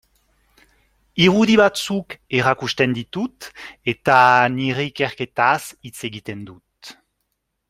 Irudi batzuk erakusten ditut eta nire ikerketaz hitz egiten dut.